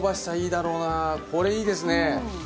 これいいですね